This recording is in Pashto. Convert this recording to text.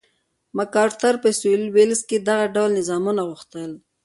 مک ارتر په سوېلي ویلز کې دغه ډول نظامونه غوښتل.